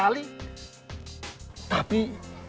senyumnya jantung lebar